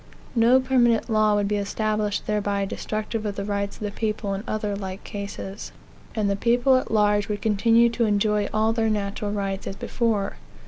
No permanent law would be established thereby destructive of the rights of the people in other like cases. And the people at large would continue to enjoy all their natural rights as before.